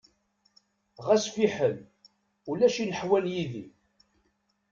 Ɣas fiḥel, ulac ineḥwan yid-i!